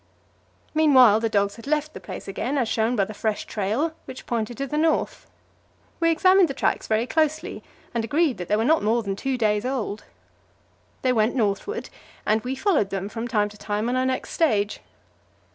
Meanwhile the dogs had left the place again, as shown by the fresh trail, which pointed to the north. We examined the tracks very closely, and agreed that they were not more than two days old. They went northward, and we followed them from time to time on our next stage.